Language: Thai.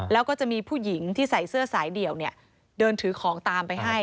แล้วก็จะมีผู้หญิงที่ใส่เสื้อสายเดี่ยวเนี่ยเดินถือของตามไปให้